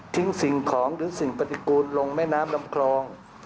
สิ่งของหรือสิ่งปฏิกูลลงแม่น้ำลำคลอง